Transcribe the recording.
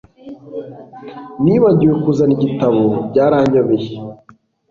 Nibagiwe kuzana igitabo Byaranyobeye